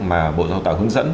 mà bộ giáo tạo hướng dẫn